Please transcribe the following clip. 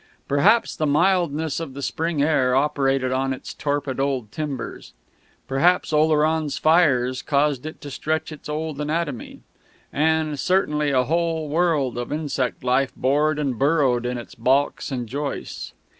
Perhaps the mildness of the spring air operated on its torpid old timbers; perhaps Oleron's fires caused it to stretch its old anatomy; and certainly a whole world of insect life bored and burrowed in its baulks and joists.